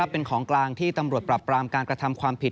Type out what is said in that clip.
เป็นของกลางที่ตำรวจปรับปรามการกระทำความผิด